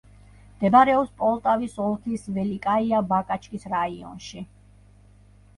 მდებარეობს პოლტავის ოლქის ველიკაია-ბაგაჩკის რაიონში.